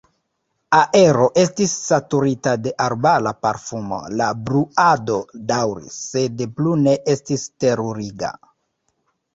Aero estis saturita de arbara parfumo, la bruado daŭris, sed plu ne estis teruriga.